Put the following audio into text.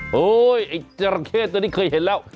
เฮ้ยไอ้จราเข้ตัวนี้เคยเห็นแล้ว